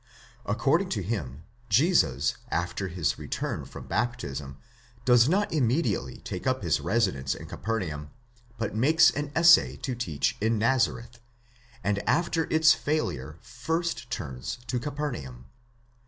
According to him, Jesus after his return from baptism dves not immediately take up his residence in Capernaum, but makes an essay to teach in Nazareth, and after its failure first turns to Capernaum.